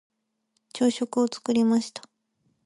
朝食を作りました。